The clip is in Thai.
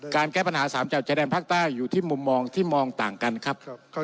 ครับเสียดครับ